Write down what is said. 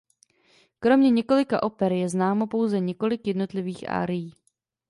Kromě několika oper je známo pouze několik jednotlivých árií.